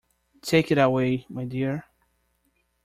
Take it away, my dear.